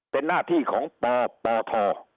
เป็นหน้าที่ของปปท